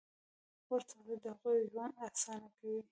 غوره تغذیه د هغوی ژوند اسانه کوي.